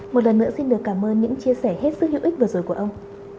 một lần nữa xin được cảm ơn những chia sẻ hết sức hữu ích vừa rồi của ông